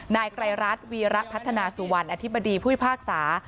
นายไกรรัฐวีระพัฒนาสุวรรณอธิบดีผู้พิพากษา